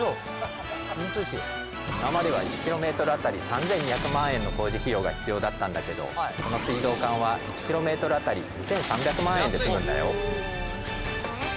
今までは１ｋｍ当たり３，２００万円の工事費用が必要だったんだけどこの水道管は１ｋｍ当たり２，３００万円で済むんだよ。